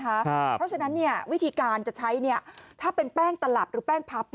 เพราะฉะนั้นวิธีการจะใช้ถ้าเป็นแป้งตลับหรือแป้งพับ